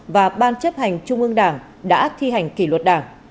và ban chấp hành trung ương đảng đã thi hành kỷ luật đảng